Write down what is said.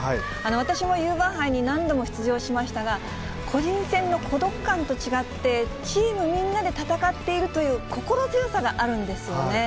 私もユーバー杯に何度も出場しましたが、個人戦の孤独感と違って、チームみんなで戦っているという、心強さがあるんですよね。